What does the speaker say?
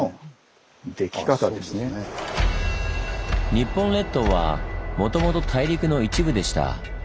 日本列島はもともと大陸の一部でした。